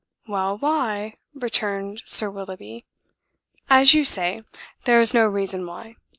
"Well, why!" returned Sir Willoughby. "As you say, there is no reason why.